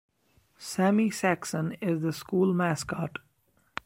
Sammy Saxon is the school mascot.